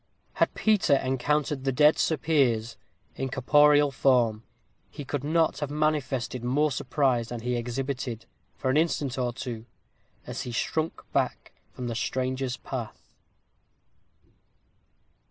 Had Peter encountered the dead Sir Piers in corporeal form, he could not have manifested more surprise than he exhibited, for an instant or two, as he shrunk back from the stranger's path.